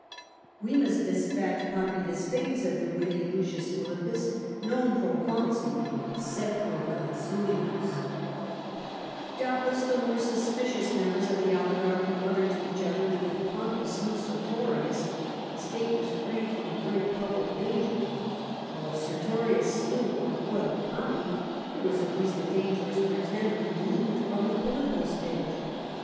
"We must despatch Pompey to Spain," said the witty L. Pliilippus, non pro consule^ sed pro considibvsJ^ Doubtless the more suspicious members of the oligarchy muttered to each other that if Pompey slew Sertorius, the state was freed from a great public danger, while if Sertorius slew or foiled Pompey, there was at least a dangerous pretender r('moved from the political stage.